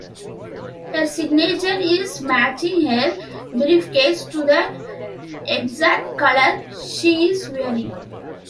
Her signature is matching her briefcase to the exact color she is wearing.